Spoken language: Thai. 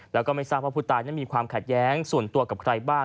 แล้วก็ไม่ทราบว่าผู้ตายนั้นมีความขัดแย้งส่วนตัวกับใครบ้าง